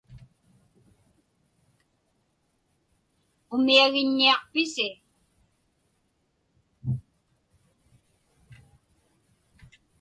Umiagiññiaqpisi?